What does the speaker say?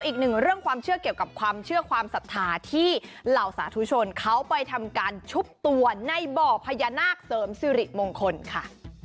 อีกหนึ่งเรื่องความเชื่อเกี่ยวกับความเชื่อความศรัทธาที่เหล่าสาธุชนเขาไปทำการชุบตัวในบ่อพญานาคเสริมสิริมงคลค่ะ